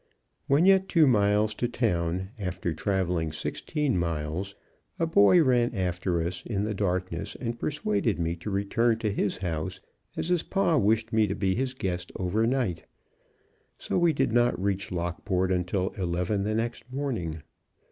When yet two miles to town, after traveling sixteen miles, a boy ran after us in the darkness and persuaded me to return to his house, as his Pa wished me to be his guest over night; so we did not reach Lockport until eleven next morning.